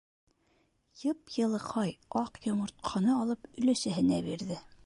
Йып-йылыҡай аҡ йомортҡаны алып өләсәһенә бирҙе.